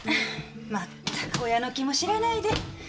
全く親の気も知らないで。